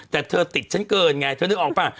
แต่เธอติดฉันเกินไงเธอนึกออกป่ะ